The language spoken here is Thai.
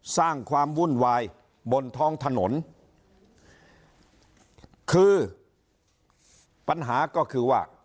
สร้างความวุ่นวายบนท้องถนนคือปัญหาก็คือว่า